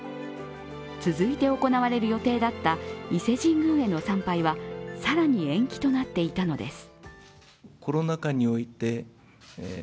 続いて行われる予定だった伊勢神宮への参拝は更に延期となっていたのです。